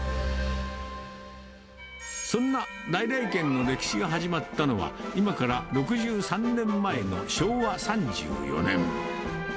そんな來々軒の歴史が始まったのは今から６３年前の昭和３４年。